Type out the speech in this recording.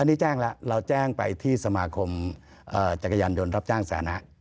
อันนี้แจ้งแล้วเราแจ้งไปที่สมาคมจักรยานยนต์รับจ้างสานะ